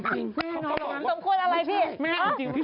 จริงเขาก็บอกว่าสมควรอะไรพี่